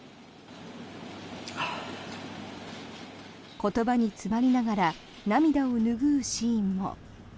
言葉に詰まりながら涙を拭うシーンも。